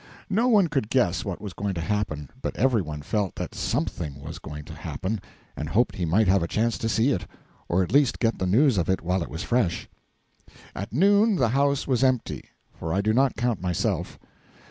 No one could guess what was going to happen, but every one felt that something was going to happen, and hoped he might have a chance to see it, or at least get the news of it while it was fresh. At noon the House was empty for I do not count myself.